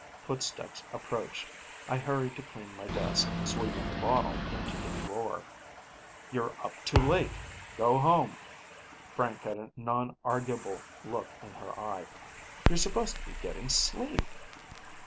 Footsteps approached; I hurried to clean my desk, sweeping the bottle into the drawer. "You're up too late. Go home." Frank had a nonarguable look in her eye. "You're supposed to be getting sleep."